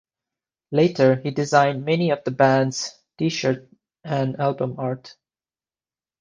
Later he designed many of the band's T-shirts and album art.